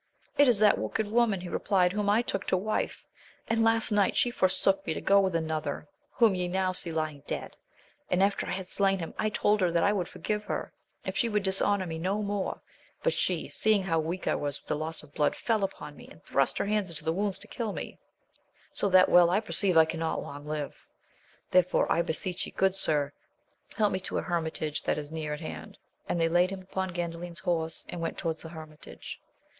It is that wicked woman, he replied, whom I took to wife, and last night she forsook me to go with another, whom ye now see lying dead. After I had slain him, I told her that I would forgive her if she would dishonour me no more ; but she, seeing how weak I was with the loss of blood, fell upon me, and thurst her hands into the wounds to kill me, so that well I perceive I cannot long live. Therefore I beseech ye, good sir, help me to an hermitage which is near at hand. And they laid him upon Gandalin*s horse, and went towards the hermitage.